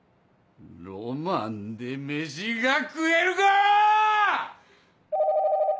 ロマンで飯が食えるか！